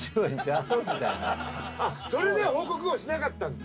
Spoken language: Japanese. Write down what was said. それで報告をしなかったんだ。